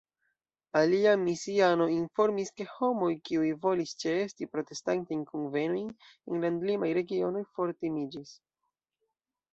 Alia misiano informis, ke homoj, kiuj volis ĉeesti protestantajn kunvenojn en landlimaj regionoj, fortimiĝis.